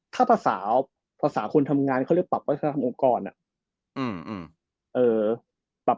ถ้าภาษาภาษาคนทำงานเขาเรียกปรับวัฒนธรรมองค์กร